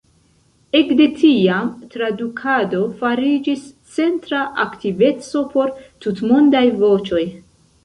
Ekde tiam tradukado fariĝis centra aktiveco por Tutmondaj Voĉoj.